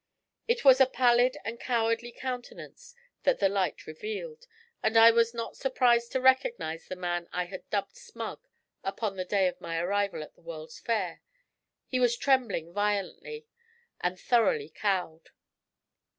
It was a pallid and cowardly countenance that the light revealed, and I was not surprised to recognise the man I had dubbed 'Smug' upon the day of my arrival at the World's Fair. He was trembling violently, and thoroughly cowed.